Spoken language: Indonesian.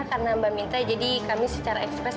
karena mbak minta jadi kami secara ekspres